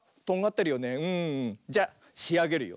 じゃしあげるよ。